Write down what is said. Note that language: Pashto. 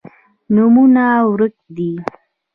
نومونه ورک دي